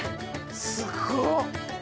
すごっ。